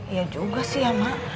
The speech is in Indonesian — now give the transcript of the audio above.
ya juga sih ya mak